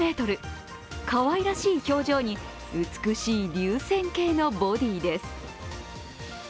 かわいらしい表情に美しい流線型のボディーです。